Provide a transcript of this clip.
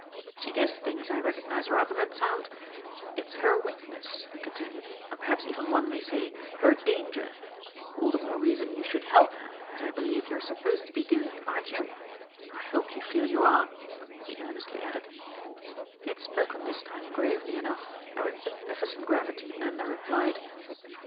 She gives things, I recognise, rather that sound. It's her weakness," he continued, "and perhaps even one may say her danger. All the more reason you should help her, as I believe you're supposed to be doing, aren't you? I hope you feel you are," he earnestly added. He had spoken this time gravely enough, and with magnificent gravity Nanda replied.